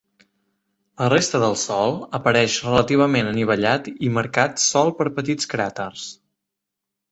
La resta del sòl apareix relativament anivellat i marcat sol per petits cràters.